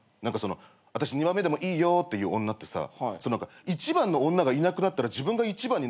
あたし２番目でもいいよって言う女ってさ１番の女がいなくなったら自分が１番になれると思ってんだよ。